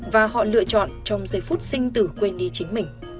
và họ lựa chọn trong giây phút sinh tử quên ý chính mình